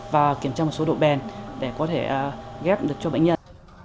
và kiểm tra một số độ bền để có thể ghép được cho bệnh nhân